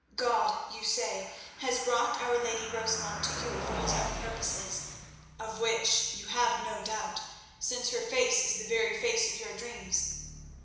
God, you say, has brought our lady Rosamund to you for His own purposes, of which you have no doubt since her face is the very face of your dreams.